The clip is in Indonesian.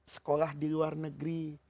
sekolah di luar negeri